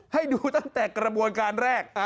ให้ดูตั้งแต่กระบวนการแรก